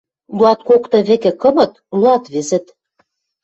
Луаткокты вӹкӹ кымыт — луатвӹзӹт.